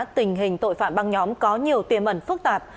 tình hình tội phạm băng nhóm có nhiều tiềm ẩn phức tạp